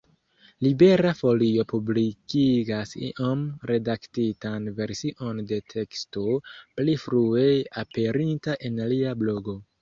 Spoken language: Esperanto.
Libera Folio publikigas iom redaktitan version de teksto pli frue aperinta en lia blogo.